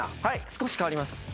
少し変わります。